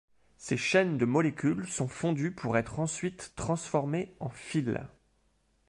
Ces chaînes de molécules sont fondues, pour ensuite être transformées en fils.